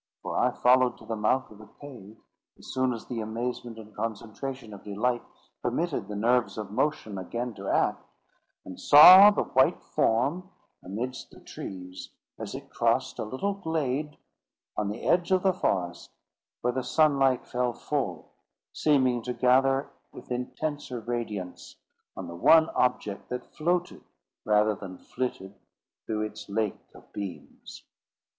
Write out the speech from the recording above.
For I followed to the mouth of the cave, as soon as the amazement and concentration of delight permitted the nerves of motion again to act; and saw the white form amidst the trees, as it crossed a little glade on the edge of the forest where the sunlight fell full, seeming to gather with intenser radiance on the one object that floated rather than flitted through its lake of beams.